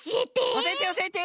おしえておしえて。